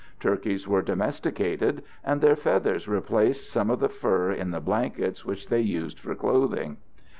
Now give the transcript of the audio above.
Turkeys were domesticated, and their feathers replaced some of the fur in the blankets which they used for clothing.